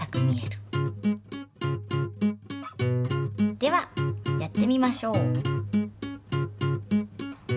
ではやってみましょう。